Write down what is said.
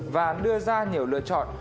và đưa ra nhiều lựa chọn